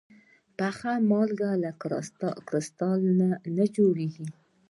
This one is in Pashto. پخه مالګه له کريستال نه جوړېږي.